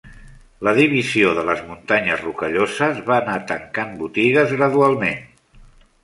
La divisió de les Muntanyes Rocalloses va anar tancant botigues gradualment.